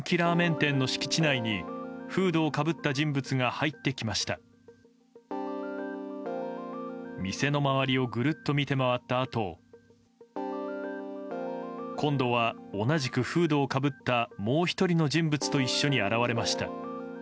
店の周りをぐるっと見て回ったあと今度は、同じくフードをかぶったもう１人の人物と一緒に現れました。